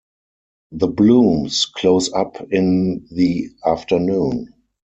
The blooms close up in the afternoon.